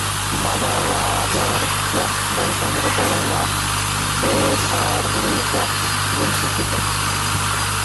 বাবা Roger Waugh bank কর্মকর্তা এবং মা বেভারলি ওয়াহ ছিলেন শিক্ষিকা।